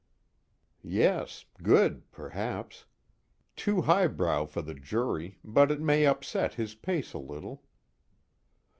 _Yes good perhaps. Too highbrow for the jury, but it may upset his pace a little.